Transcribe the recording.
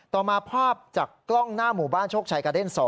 ต่อมาภาพจากกล้องหน้าหมู่บ้านโชคชัยกระเด้น๒